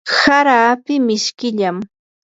hara api mishkillam.